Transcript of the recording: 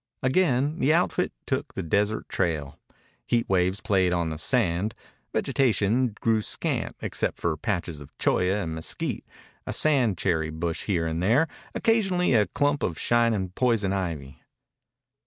Again the outfit took the desert trail. Heat waves played on the sand. Vegetation grew scant except for patches of cholla and mesquite, a sand cherry bush here and there, occasionally a clump of shining poison ivy.